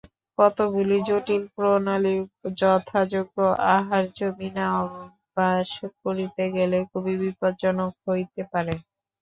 কতকগুলি জটিল প্রণালী যথাযোগ্য আহার্য বিনা অভ্যাস করিতে গেলে খুবই বিপজ্জনক হইতে পারে।